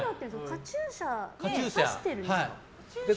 カチューシャにさしてるんですか。